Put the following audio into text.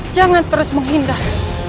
jangan terus menghindar